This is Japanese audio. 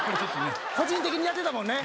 個人的にやってたもんね。